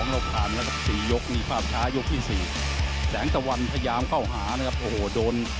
ลึกจากขวาน